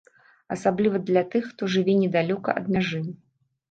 Асабліва для тых, хто жыве недалёка ад мяжы.